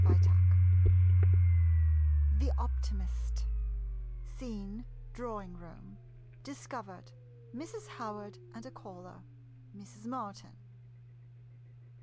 ip6 THE OPTIMIST Scene: — Drawing room. Discovered — Mrs. Howard and a caller, Mrs. Martin.